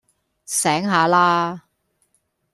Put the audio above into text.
醒下啦